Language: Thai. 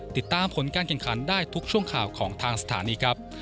ติดตามผลการแข่งขันได้ทุกช่วงข่าวของทางสถานีครับ